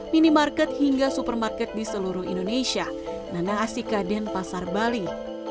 minimarket hingga supermarket di seluruh indonesia nanasika denpasar bali